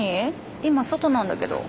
今外なんだけど。